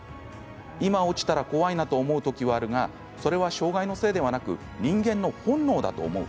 今落ちたら怖いなと思う時はあるがそれは障害のせいではなく人間の本能だと思う。